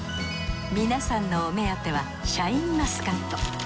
皆さんのお目当てはシャインマスカット。